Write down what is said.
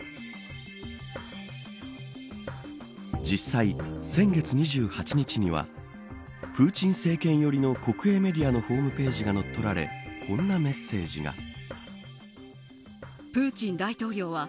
実際、先月２８日にはプーチン政権寄りの国営メディアのホームページが乗っ取られこんなメッセージが。